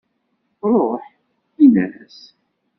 Ruḥ, in-as!